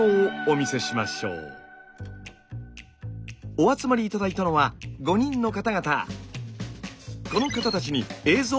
お集まり頂いたのは５人の方々。